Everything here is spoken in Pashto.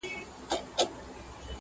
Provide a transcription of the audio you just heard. لکه پاتا ته وي راغلي پخوانۍ سندري.!